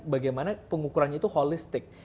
bagaimana pengukurannya itu holistik